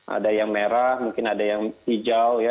ada yang merah mungkin ada yang hijau